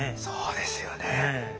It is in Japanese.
そうですよね。